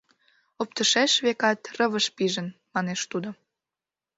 — Оптышеш, векат, рывыж пижын, — манеш тудо.